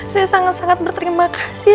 saya sangat sangat berterima kasih